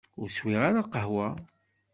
Ur swiɣ ara lqahwa.